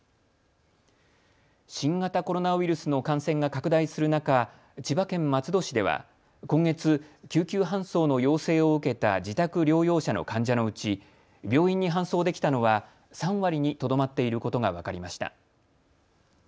新型コロナウイルスの感染が拡大する中、千葉県松戸市では今月、救急搬送の要請を受けた自宅療養者の患者のうち病院に搬送できたのは３割にとどまっていることが分かりました。